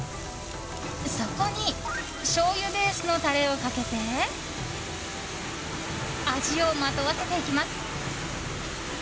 そこにしょうゆベースのタレをかけて味をまとわせていきます。